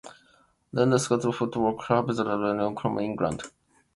London Scottish Football Club is a rugby union club in England.